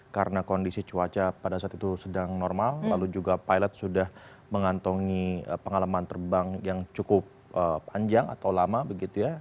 karena kondisi cuaca pada saat itu sedang normal lalu juga pilot sudah mengantongi pengalaman terbang yang cukup panjang atau lama begitu ya